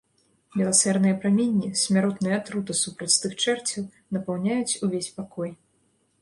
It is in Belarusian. Міласэрныя праменні — смяротная атрута супраць тых чэрцяў — напаўняюць увесь пакой.